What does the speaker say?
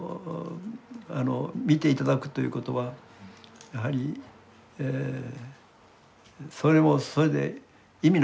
見て頂くということはやはりそれもそれで意味のあることですからね。